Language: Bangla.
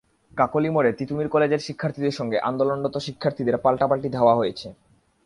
কাকলী মোড়ে তিতুমীর কলেজের শিক্ষার্থীদের সঙ্গে আন্দোলনরত শিক্ষার্থীদের পাল্টাপাল্টি ধাওয়া হয়েছে।